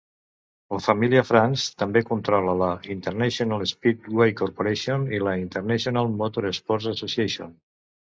La família France també controla la International Speedway Corporation i la International Motor Sports Association.